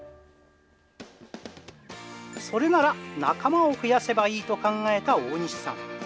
それなら仲間を増やせばいいと考えた大西さん。